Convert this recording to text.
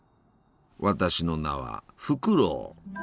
私の名はフクロウ。